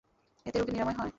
এতে রোগের নিরাময় হয়।